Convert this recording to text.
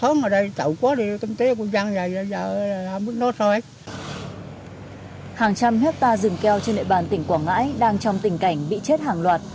hàng trăm hết ta dùng keo trên nệm bàn tỉnh quảng ngãi đang trong tình cảnh bị chết hàng loạt